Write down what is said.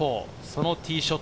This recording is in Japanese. そのティーショ